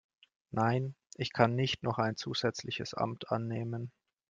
Nein, ich kann nicht noch ein zusätzliches Amt annehmen.